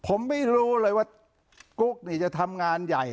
ผมไม่รู้เลยว่ากุ๊กนี่จะทำงานใหญ่